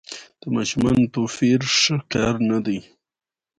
د ماشومانو توپیر ښه کار نه دی.